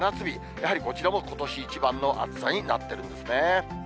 やはりこちらもことし一番の暑さになってるんですね。